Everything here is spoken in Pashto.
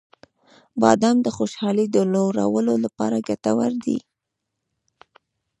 • بادام د خوشحالۍ د لوړولو لپاره ګټور دی.